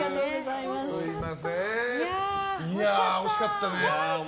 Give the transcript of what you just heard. いやあ、惜しかったね。